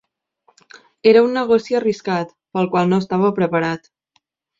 Era un negoci arriscat, pel qual no estava preparat.